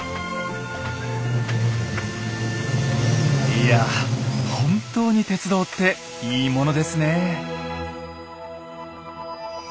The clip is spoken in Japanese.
いや本当に鉄道っていいものですねえ。